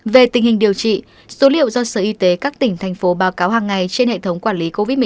về tình hình điều trị số liệu do sở y tế các tỉnh thành phố báo cáo hàng ngày trên hệ thống quản lý covid một mươi chín